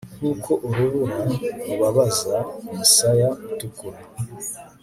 nkuko urubura rubabaza umusaya utukura